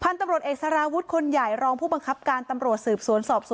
ตำรวจเอกสารวุฒิคนใหญ่รองผู้บังคับการตำรวจสืบสวนสอบสวน